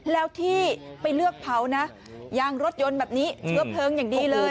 แล้วที่ไปเลือกเผานะยางรถยนต์แบบนี้เชื้อเพลิงอย่างดีเลย